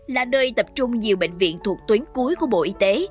là nơi tập trung nhiều bệnh viện thuộc tuyến cuối của bộ y tế